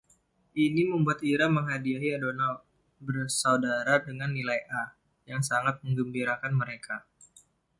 Ini membuat Ira menghadiahi Donald bersaudara dengan nilai A, yang sangat menggembirakan mereka.